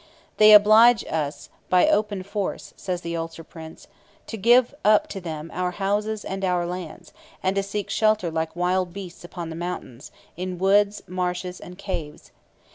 "They oblige us by open force," says the Ulster Prince, "to give up to them our houses and our lands, and to seek shelter like wild beasts upon the mountains, in woods, marshes, and caves.